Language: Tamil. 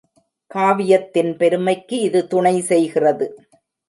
காவியத்தின் பெருமைக்கு இது துணை செய்கிறது.